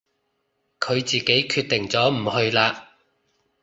佢自己決定咗唔去啦